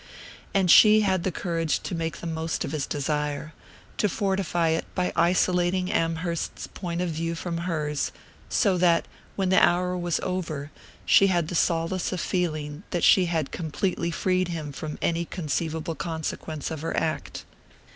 And she had the courage to make the most of his desire, to fortify it by isolating Amherst's point of view from hers; so that, when the hour was over, she had the solace of feeling that she had completely freed him from any conceivable consequence of her act.